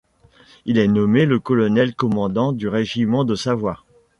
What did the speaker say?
Il est nommé le colonel commandant du régiment de Savoie.